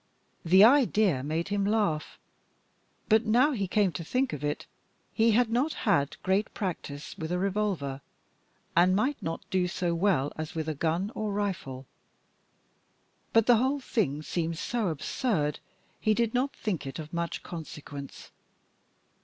The idea made him laugh. But now he came to think of it, he had not had great practice with a revolver, and might not do so well as with a gun or rifle. But the whole thing seemed so absurd, he did not think it of much consequence.